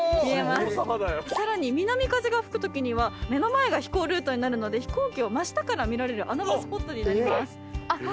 さらに南風が吹くときには目の前が飛行ルートになるので飛行機を真下から見られる穴場スポットになります。